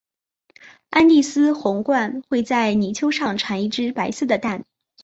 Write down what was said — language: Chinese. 安第斯红鹳会在泥丘上产一只白色的蛋。